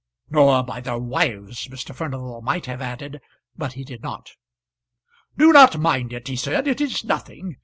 "Nor by their wives," Mr. Furnival might have added, but he did not. "Do not mind it," he said; "it is nothing.